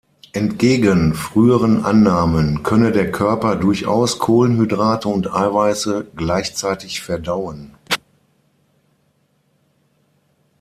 Entgegen früheren Annahmen könne der Körper durchaus Kohlenhydrate und Eiweiße gleichzeitig verdauen.